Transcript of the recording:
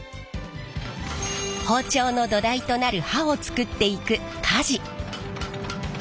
包丁の土台となる刃をつくっていく鍛冶。